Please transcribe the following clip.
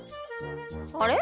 あれ？